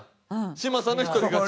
嶋佐の１人勝ち。